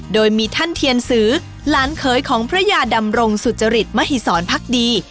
โดยมีท่านเทียนสือหลานเคยของพระยาดำรงสุจริตมหิศรพักดี